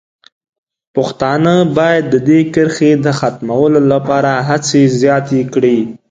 پښتانه باید د دې کرښې د ختمولو لپاره هڅې زیاتې کړي.